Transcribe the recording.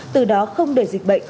từ đó không để dịch bệnh